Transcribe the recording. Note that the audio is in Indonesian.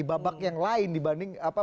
babak yang lain dibanding